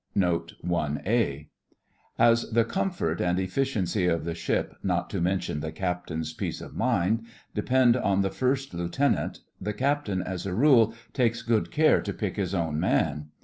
NOTE Ia. As the comfort and efficiency of the ship, not to mention the Captain's peace of mind, depend on the First Lieutenant, the Captain as a rule takes good care to pick his own man.